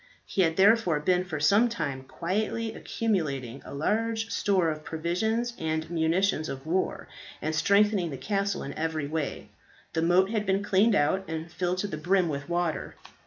He had therefore been for some time quietly accumulating a large store of provisions and munitions of war, and strengthening the castle in every way. The moat had been cleaned out, and filled to the brim with water.